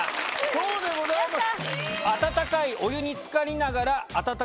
そうでございます。